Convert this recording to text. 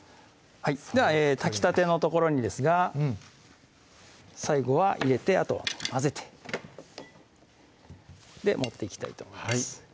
炊きたてのところにですが最後は入れてあとは混ぜて盛っていきたいと思います